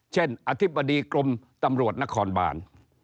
อธิบดีกรมตำรวจนครบาน